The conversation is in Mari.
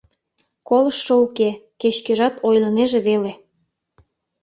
Колыштшо уке, кеч-кӧжат ойлынеже веле.